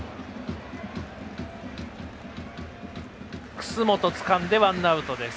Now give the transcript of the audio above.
楠本つかんで、ワンアウト。